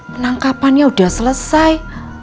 penangkapannya udah selesai